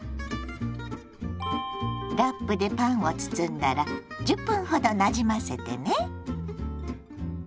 ラップでパンを包んだら１０分ほどなじませてね。